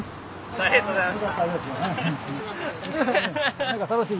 ありがとうございます。